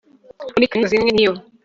muri kaminuza imwe niyo